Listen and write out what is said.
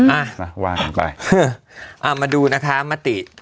อาจจะสงสารไฟต์กับธนาอีกคนรึเปล่า